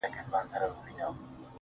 • اوس له خپل ځان څخه پردى يمه زه.